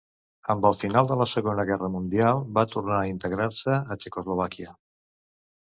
Amb el final de la Segona Guerra mundial, va tornar a integrar-se a Txecoslovàquia.